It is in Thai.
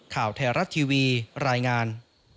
ข่าวไทยรัฐทีวีรายงาน